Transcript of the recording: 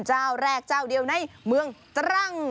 เจ้าแรกเจ้าเดียวในเมืองตรัง